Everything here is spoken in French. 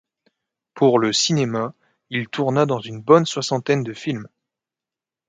Pour le cinéma, il tourna dans une bonne soixantaine de films.